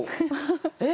えっ？